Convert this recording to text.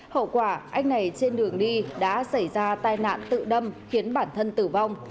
hậu quả anh này trên đường đi đã xảy ra tai nạn tự đâm khiến bản thân tử vong